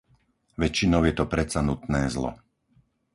Väčšinou je to predsa nutné zlo.